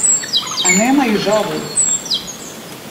Anem a Isòvol.